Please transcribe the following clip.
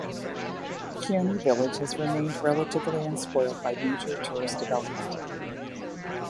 Kioni village has remained relatively unspoiled by major tourist development.